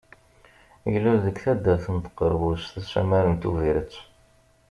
Ilul deg taddart n Tqerbust asamar n Tubiret.